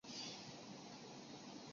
北宋名将高琼之妻。